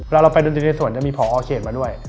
เวลาเราไปรถเตรียมในสวนจะมีพอเครดมาด้วย